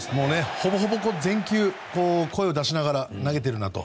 ほぼほぼ全球声を出しながら投げているなと。